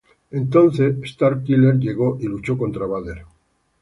Entonces Starkiller llegó y luchó contra Vader.